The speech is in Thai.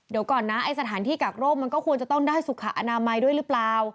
เดี๋ยวก่อนนะไอ้สถานที่กักโรคมันก็ควรจะต้องได้สุขอนามัยด้วยหรือเปล่า